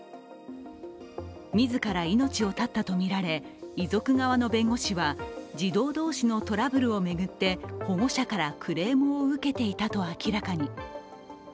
自ら命を絶ったとみられ遺族側の弁護士は、児童同士のトラブルを巡って保護者からクレームを受けていたと明らかに。